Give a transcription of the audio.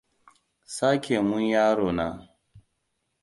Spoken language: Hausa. Sake mun yaro na.